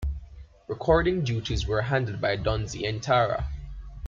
Recording duties were handled by Don Zientara.